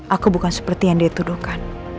aku bukan seperti yang dituduhkan